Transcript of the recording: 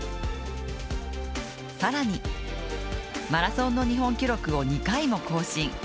更にマラソンの日本記録を２回も更新。